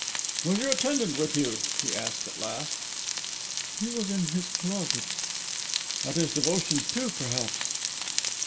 "Was your attendant with you?" he asked, at last. "He was in his closet." "At his devotions too, perhaps?"